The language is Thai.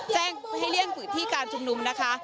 แจ้งให้เลี่ยงพื้นที่การชุมนุมนะคะ